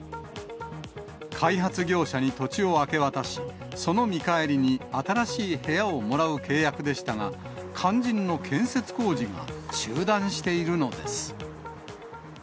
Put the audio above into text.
開発業者に土地を明け渡し、その見返りに新しい部屋をもらう契約でしたが、肝心の建設工事が中断しているのです。